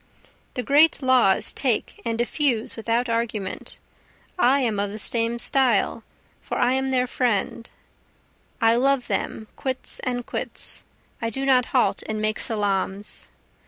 The great laws take and effuse without argument, I am of the same style, for I am their friend, I love them quits and quits, I do not halt and make salaams.